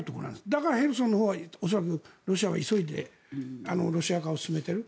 だからヘルソンのほうは恐らくロシアは急いでロシア化を進めている。